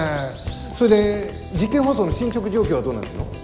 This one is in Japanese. それで実験放送の進捗状況はどうなってんの？